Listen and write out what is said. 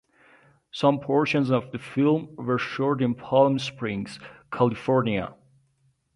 Some portions of the film were shot in Palm Springs, California.